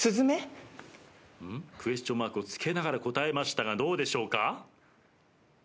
クエスチョンマークを付けながら答えましたがどうでしょうか？